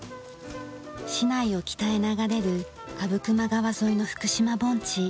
市内を北へ流れる阿武隈川沿いの福島盆地。